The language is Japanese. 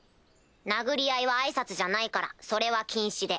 殴り合いは挨拶じゃないからそれは禁止で。